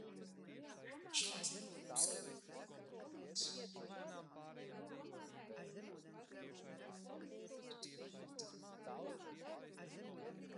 Kā jūs iedomājaties, kur viņi tagad veiks to apmācību lauku skolās vispār?